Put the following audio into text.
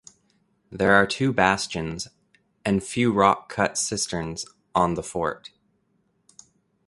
There are two bastions and few rock cut cisterns on the fort.